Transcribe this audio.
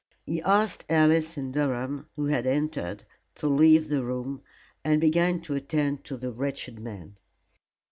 He asked Alice and Durham, who had entered, to leave the room, and began to attend to the wretched man.